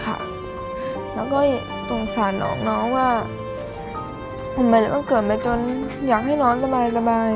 ค่ะแล้วก็ตรงสารน้องน้องว่าผมก็เกิดไปจนอยากให้น้องสบายสบาย